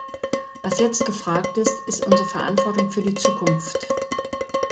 Was jetzt gefragt ist, ist unsere Verantwortung für die Zukunft.